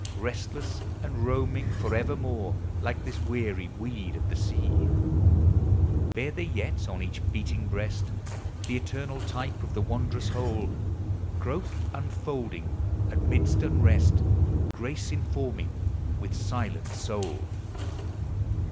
Restless and roaming forevermore, Like this weary weed of the sea ; THE SEA. 393 Bear they yet on each beating breast The eternal type of the wondrous whole, Growth unfolding amidst unrest, Grace informing with silent soul.